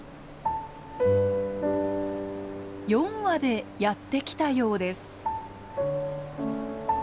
４羽でやって来たようです。